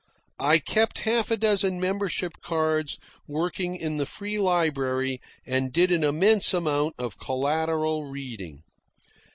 I kept half a dozen membership cards working in the free library and did an immense amount of collateral reading.